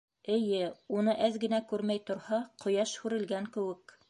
Эйе, уны әҙ генә күрмәй торһа, ҡояш һүрелгән кеүек.